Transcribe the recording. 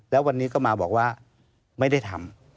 แล้ววันนี้ก็มาบอกว่าไม่ได้ทำ